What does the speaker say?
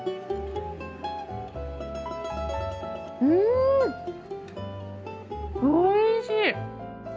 うんおいしい！